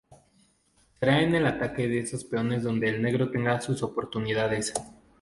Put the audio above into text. Será en el ataque a esos peones donde el negro tenga sus oportunidades.